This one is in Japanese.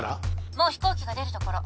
もう飛行機が出るところ。